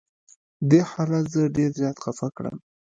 دې حالت زه ډېر زیات خفه کړم.